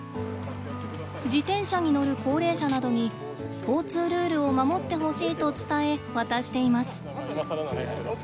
自転車に乗る高齢者などに交通ルールを守ってほしいと伝え渡しています。